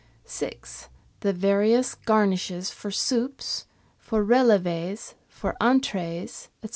6. The various garnishes for soups, for relev^s, for entries, &c.